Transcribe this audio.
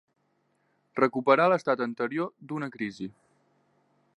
Recuperar l'estat anterior d'una crisi.